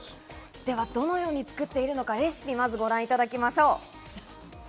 どのように作っているのか、レシピをご覧いただきましょう。